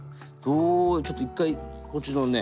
ちょっと一回こっちのね